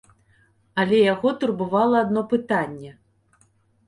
Але яго турбавала адно пытанне.